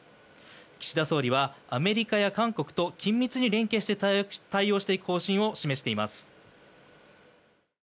岸田総理はアメリカや韓国と緊密に連携して対応していく方針を示しています。